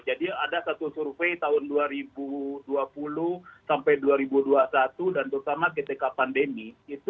jadi ada satu survei tahun dua ribu dua puluh sampai dua ribu dua puluh satu dan terutama ketika pandemi